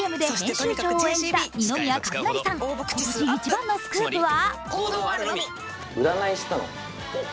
今年一番のスクープは？